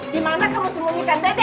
di mana kamu sembunyikan dede